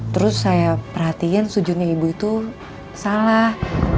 terus saya perhatiin sujudnya ibu itu salah